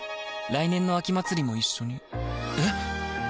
来年の秋祭も一緒にえ